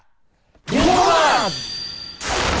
リフォーマーズ！